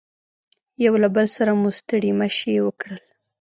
یو له بل سره مو ستړي مشي وکړل.